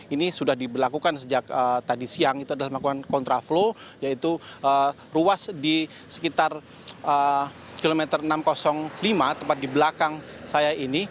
ini sudah diberlakukan sejak tadi siang itu adalah melakukan kontraflow yaitu ruas di sekitar kilometer enam ratus lima tempat di belakang saya ini